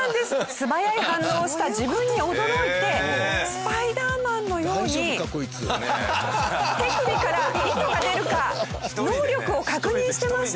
素早い反応をした自分に驚いてスパイダーマンのように手首から糸が出るか能力を確認してました。